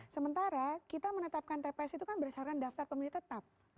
sementara kita menetapkan tps itu kan berdasarkan daftar pemilih tetap